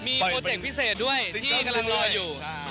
มีโปรเจกต์พิเศษด้วยที่กำลังรออยู่